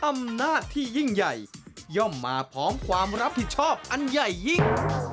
อำนาจที่ยิ่งใหญ่ย่อมมาพร้อมความรับผิดชอบอันใหญ่ยิ่ง